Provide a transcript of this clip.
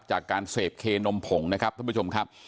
จากการเสพเคนมผงนะครับท่านผู้ชมครับ